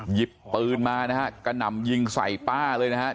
หยิบปืนมานะฮะกระหน่ำยิงใส่ป้าเลยนะครับ